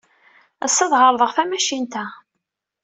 Ass-a, ad ɛerḍeɣ tamacint-a.